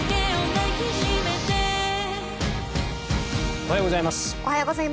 おはようございます。